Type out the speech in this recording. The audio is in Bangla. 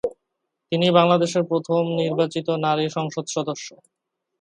তিনিই বাংলাদেশের প্রথম নির্বাচিত নারী সংসদ সদস্য।